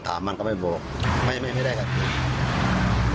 ก็ถามมันก็ไม่บอกไม่ไม่ไม่ได้ครับ